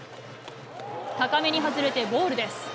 高めに外れてボールです。